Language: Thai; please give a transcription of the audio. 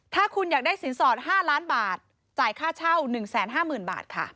ถ้าคุณอยากได้สินสอด๕ล้านบาทจ่ายค่าเช่า๑๕๐๐๐บาทค่ะ